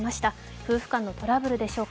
夫婦間のトラブルでしょうか。